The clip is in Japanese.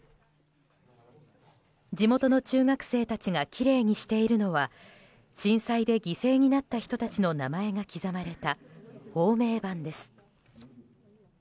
地元の中学生たちがきれいにしているのは震災で犠牲になった人たちの名前が刻まれた芳名版です。